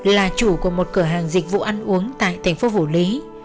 là chủ của một cửa hàng dịch vụ ăn uống tại tp vũ lý